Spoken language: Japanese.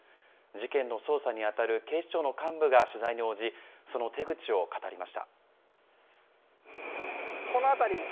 事件の捜査に当たる警視庁の幹部が取材に応じ、その手口を語りま